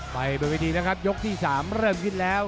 ไปบนวิธีนะครับยกที่๓เริ่มขึ้นแล้ว